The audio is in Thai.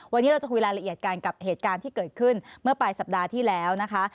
วันนี้เราจะคุยรายละเอียดกันกับเหตุการณ์ที่เกิดขึ้นเมื่อปลายสัปดาห์ที่แล้วนะคะ